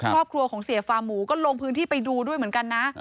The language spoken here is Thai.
ครอบครัวของเสียฟาหมูก็ลงพื้นที่ไปดูด้วยเหมือนกันนะ